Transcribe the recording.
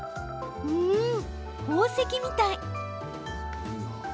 うーん、宝石みたい。